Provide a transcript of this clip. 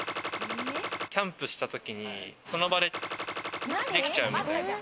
キャンプした時に、その場でできちゃうみたいな。